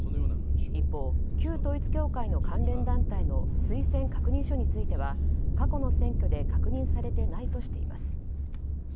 一方、旧統一教会の関連団体の推薦確認書については過去の選挙で確認されていないとしています。